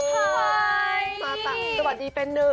ทำไม